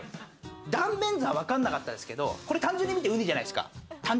断面図はわかんなかったですけど、単純に見てウニじゃないですか。